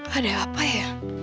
ada apa ya